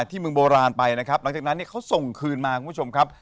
ที่เมืองโบราณไปนะครับหลังจากนั้นเนี่ยเขาส่งคืนมาคุณผู้ชมครับ